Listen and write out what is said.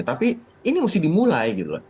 tapi ini mesti dimulai